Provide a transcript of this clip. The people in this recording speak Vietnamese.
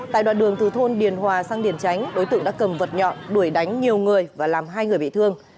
tại đoạn đường từ thôn điền hòa sang điền tránh đối tượng đã cầm vật nhọn đuổi đánh nhiều người và làm hai người bị thương